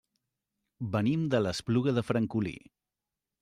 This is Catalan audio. Venim de l'Espluga de Francolí.